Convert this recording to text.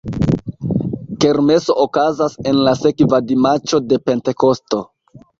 Kermeso okazas en la sekva dimaĉo de Pentekosto.